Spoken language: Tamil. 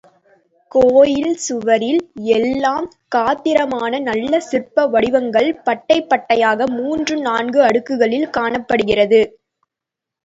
கோயில் சுவரில் எல்லாம் காத்திரமான நல்ல சிற்ப வடிவங்கள் பட்டை பட்டையாக மூன்று நான்கு அடுக்குகளில் காணப்படுகிறது.